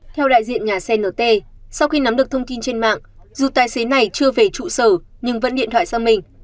theo đại diện nhà xe nở t sau khi nắm được thông tin trên mạng dù tài xế này chưa về trụ sở nhưng vẫn điện thoại sang mình